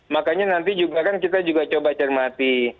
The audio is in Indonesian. makanya nanti juga kan kita juga coba cermati